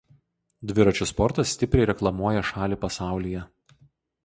Dviračių sportas stipriai reklamuoja šalį pasaulyje.